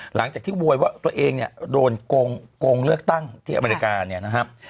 หลังจากที่โวยว่าตัวเองเนี่ยโดนโกงเลือกตั้งที่อเมริกาเนี่ยนะครับ